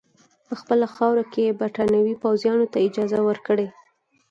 په خپله خاوره کې برټانوي پوځیانو ته اجازه ورکړي.